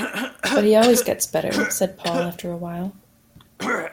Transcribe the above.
“But he always gets better,” said Paul after a while.